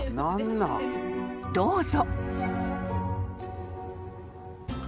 ［どうぞ］